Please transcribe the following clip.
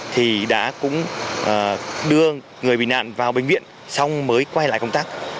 thì đã cũng đưa người bị nạn vào bệnh viện xong mới quay lại công tác